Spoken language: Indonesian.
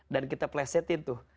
dan kita plesetin tuh